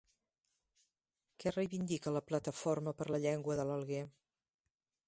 Què reivindica la Plataforma per la Llengua de l'Alguer?